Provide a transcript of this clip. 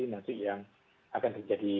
nanti yang akan menjadi